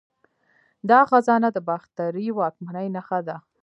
دا خزانه د باختري واکمنۍ نښه ده